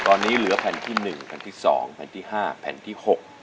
ตอนนี้เหลือแผ่นที่๑ที่๒ที่๕ที่๖